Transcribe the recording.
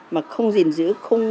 mà không gìn giữ